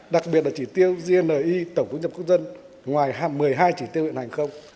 đặc biệt là chỉ tiêu gni tổng thu nhập quốc dân ngoài một mươi hai chỉ tiêu hiện hành không